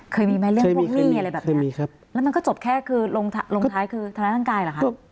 เคยมีไหมเรื่องพวกหนี้อะไรแบบนี้ครับแล้วมันก็จบแค่คือลงท้ายคือทำร้ายร่างกายเหรอคะ